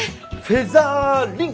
フェザー・リン。